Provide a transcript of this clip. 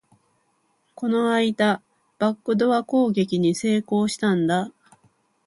この間、バックドア攻撃に成功したんだ